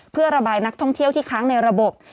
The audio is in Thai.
เพื่อระบายนักท่องเที่ยวที่ค้างในระบบ